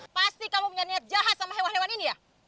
pasti kamu punya niat jahat sama hewan hewan ini ya